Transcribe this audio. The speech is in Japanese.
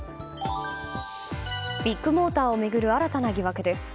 ビッグモーターを巡る新たな疑惑です。